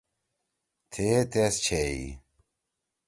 تِھئے تیس چِھیئی۔